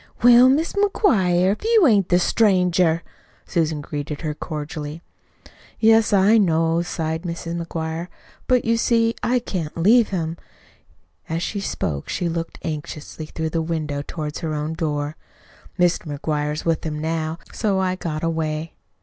"Well, Mis' McGuire, if you ain't the stranger!" Susan greeted her cordially. "Yes, I know," sighed Mrs. McGuire. "But, you see, I can't leave him." As she spoke she looked anxiously through the window toward her own door. "Mr. McGuire's with him, now, so I got away."